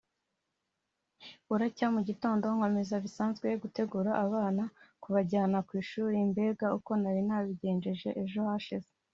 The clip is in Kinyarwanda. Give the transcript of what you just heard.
buracya mu gitondo nkomeza bisanzwe gutegura abana kubajyana ku ishuli mbega uko nari nabigenje ejo hashize